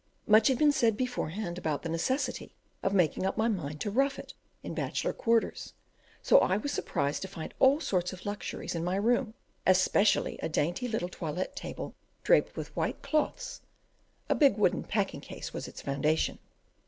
Much had been said beforehand about the necessity of making up my mind to rough it in bachelor quarters, so I was surprised to find all sorts of luxuries in my room, especially a dainty little toilette table, draped with white cloths (a big wooden packing case was its foundation).